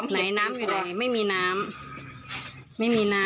ไหนน้ำอยู่ด้วยไม่มีน้ำ